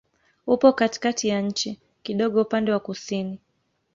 Upo katikati ya nchi, kidogo upande wa kusini.